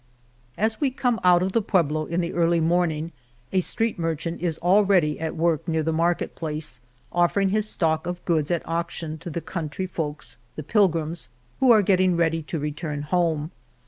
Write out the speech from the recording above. As we come out of the pueblo in the early morning a street merchant is already at work near the market place, offering his stock of goods at auction to the country folks, the pilgrims, who are getting ready 133 El Toboso to return home.